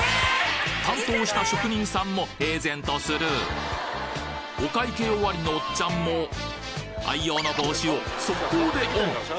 担当した職人さんも平然とスルーお会計終わりのオッチャンも愛用の帽子を速攻でオン！